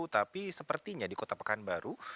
tapi sepertinya di kota pekanbaru